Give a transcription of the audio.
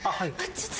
ちょっと。